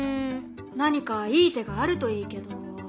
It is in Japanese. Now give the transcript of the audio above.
何かいい手があるといいけど。